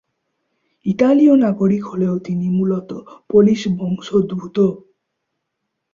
ইতালীয় নাগরিক হলেও তিনি মূলত পোলিশ বংশোদ্ভূত।